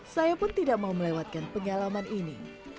saya pun tidak mau melewatkan pengalaman ini